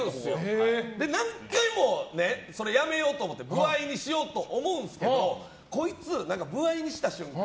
何回もやめようと思って歩合にしようと思うんですけどもこいつ、歩合にした瞬間